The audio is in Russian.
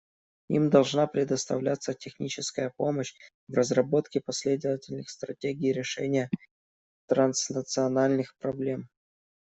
Им должна предоставляться техническая помощь в разработке последовательных стратегий решения транснациональных проблем.